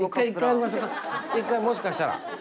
１回もしかしたら。